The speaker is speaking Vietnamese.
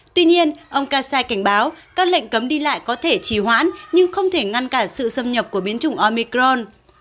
tuy nhiên ông kassai cảnh báo các lệnh cấm đi lại có thể trì hoãn nhưng không thể ngăn cản sự xâm nhập của biến chủng omicron